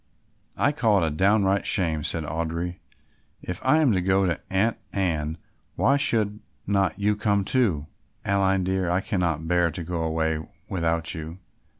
"I call it a downright shame," said Audry. "If I am to go to Aunt Anne, why should not you come too? Aline, dear, I cannot bear to go away without you.